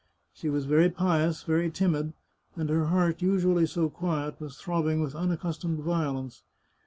She was very pious, very timid, and her heart, usually so quiet, was throbbing with unaccustomed violence.